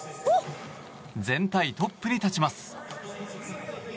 全体トップに立ちます。